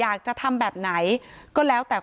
การแก้เคล็ดบางอย่างแค่นั้นเอง